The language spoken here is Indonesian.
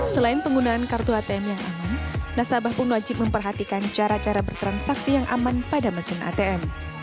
selain penggunaan kartu atm yang aman nasabah pun wajib memperhatikan cara cara bertransaksi yang aman pada mesin atm